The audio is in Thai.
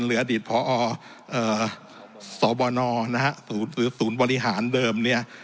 หรืออดีตพอสบหรือศูนย์บริหารเดิม